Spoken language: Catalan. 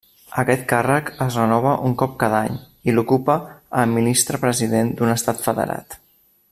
Aquest càrrec es renova un cop cada any, i l'ocupa el Ministre-President d'un estat federat.